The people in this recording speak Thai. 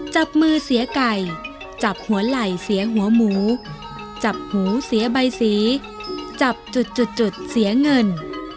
จับมือเสียไก่จับหัวไหล่เสียหัวหมูจับหูเสียใบสีจับจุดเสียเงิน